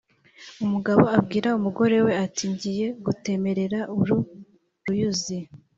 umugabo abwira umugore we ati "ngiye gutemera uru ruyuzi